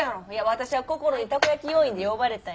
私はこころにたこ焼き要員で呼ばれたんや。